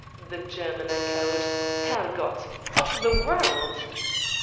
the German echoed. "Herr Gott! Of the world!"